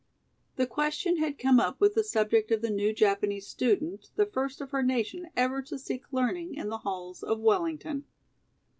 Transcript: The question had come up with the subject of the new Japanese student, the first of her nation ever to seek learning in the halls of Wellington.